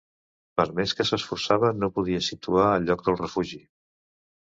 Per més que s'esforçava, no podia situar el lloc del refugi.